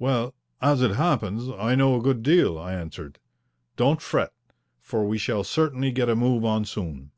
"Well, as it happens, I know a good deal," I answered. "Don't fret, for we shall certainly get a move on soon."